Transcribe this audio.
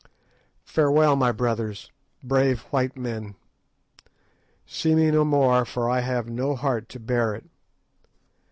Farewell, my brothers, brave white men. See me no more, for I have no heart to bear it.